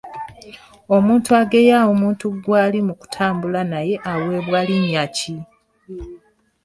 Omuntu ageya omuntu gwali mu kutambula naye aweebwa linnya ki?